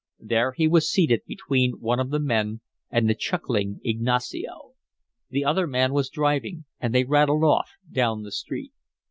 There he was seated between one of the men and the chuckling Ignacio. The other man was driving and they rattled off down the street.